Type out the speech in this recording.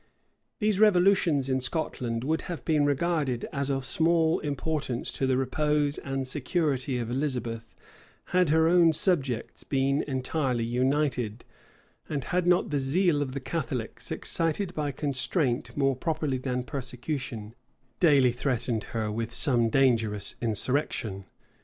These revolutions in Scotland would have been regarded as of small importance to the repose and security of Elizabeth, had her own subjects been entirely united, and had not the zeal of the Catholics, excited by constraint more properly than persecution, daily threatened her with some dangerous insurrection.